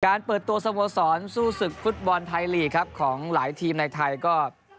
เปิดตัวสโมสรสู้ศึกฟุตบอลไทยลีกครับของหลายทีมในไทยก็